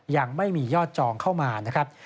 ยังไม่มียอดจองเข้ามานะครับ